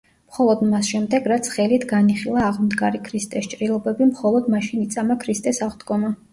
მხოლოდ მას შემდეგ რაც ხელით განიხილა აღმდგარი ქრისტეს ჭრილობები მხოლოდ მაშინ იწამა ქრისტეს აღდგომა.